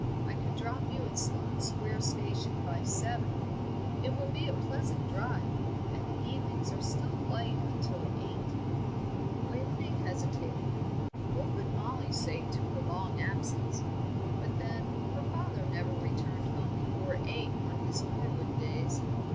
I could drop you at Sloane Square station by seven. It will be a pleasant drive, and the evenings are still light until eight." Waveney hesitated. What would Mollie say to her long absence? But then, her father never returned home before eight on his Norwood days.